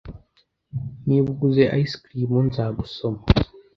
Niba uguze ice-cream, nzagusoma.